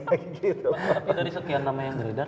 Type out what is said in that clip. tapi dari sekian nama yang beredar